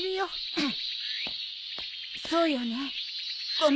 うん！？